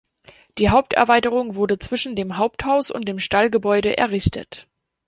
Die Haupterweiterung wurde zwischen dem Haupthaus und dem Stallgebäude errichtet.